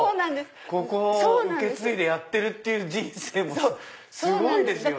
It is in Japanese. ここを受け継いでやってる人生もすごいですよね！